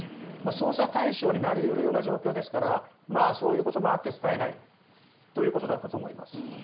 捜査対象になり得るような状況ですからそういうこともあって伝えないということだったと思います。